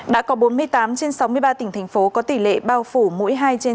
đã có bốn mươi tám trên sáu mươi ba tỉnh thành phố có tỷ lệ bao phủ mỗi hai trên ba mươi